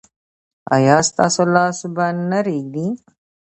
ایا ستاسو لاس به نه ریږدي؟